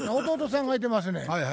弟さんがいてますねん。